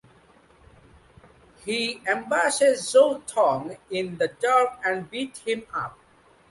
He ambushes Zhou Tong in the dark and beats him up.